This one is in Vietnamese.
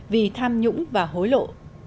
vì tham nhũng và hối lộ